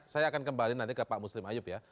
saya akan kembali nanti ke pak muslim ayub ya